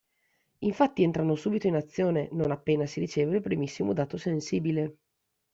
Infatti entrano subito in azione non appena si riceve il primissimo dato sensibile.